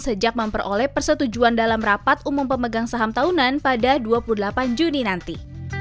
sejak memperoleh persetujuan dalam rapat umum pemegang saham tahunan pada dua puluh delapan juni nanti